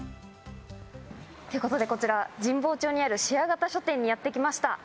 ということで、こちら神保町にあるシェア型書店にやってきました。